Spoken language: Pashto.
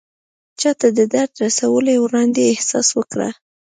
چاته د درد رسولو وړاندې احساس وکړه.